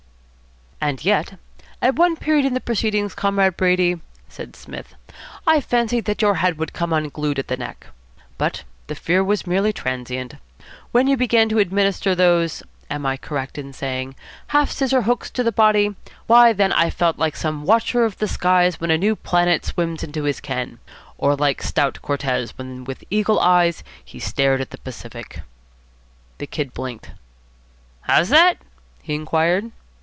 "And yet at one period in the proceedings, Comrade Brady," said Psmith, "I fancied that your head would come unglued at the neck. But the fear was merely transient. When you began to administer those am I correct in saying? half scissor hooks to the body, why, then I felt like some watcher of the skies when a new planet swims into his ken; or like stout Cortez when with eagle eyes he stared at the Pacific." The Kid blinked. "How's that?" he inquired.